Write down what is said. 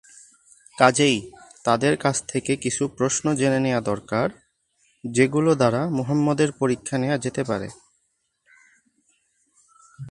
কাজেই তাদের কাছ থেকে কিছু প্রশ্ন জেনে নেয়া দরকার; যেগুলো দ্বারা মুহাম্মদের পরীক্ষা নেয়া যেতে পারে।